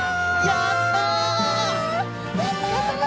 やった！